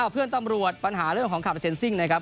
เพื่อนตำรวจปัญหาเรื่องของขับเซ็นซิ่งนะครับ